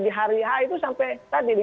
di hari a itu sampai tadi